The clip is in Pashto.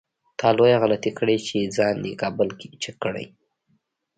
تا لويه غلطي کړې چې ځان دې کابل کې چک کړی.